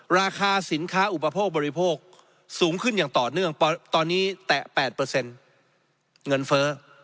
ราคาสินค้าอุปโภคบริโภคสูงขึ้นอย่างต่อเนื่องตอนนี้แตะ๘เงินเฟ้อ